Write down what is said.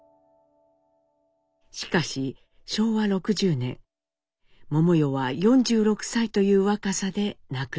しかし昭和６０年百代は４６歳という若さで亡くなります。